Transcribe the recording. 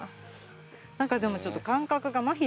何かでもちょっと感覚がまひしてきちゃう。